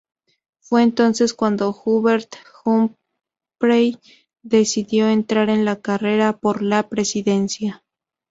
Fue entonces cuando Hubert Humphrey decidió entrar en la carrera por la presidencia.